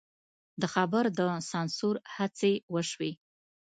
د خبر د سانسور هڅې وشوې.